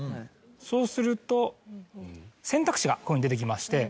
そうすると選択肢が出てきまして。